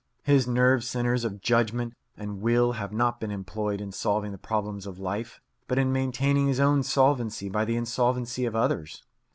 His nerve centres of judgment and will have not been employed in solving the problems of life, but in maintaining his own solvency by the insolvency of others.